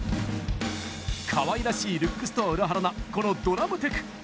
かわいらしいルックスとは裏腹なこのドラムテク。